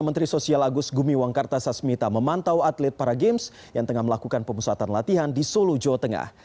menteri sosial agus gumiwang kartasasmita memantau atlet para games yang tengah melakukan pemusatan latihan di solo jawa tengah